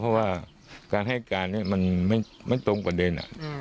เพราะว่าการให้การนี้มันไม่ตรงประเด็น